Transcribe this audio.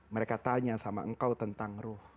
mereka tanya sama engkau tentang ruh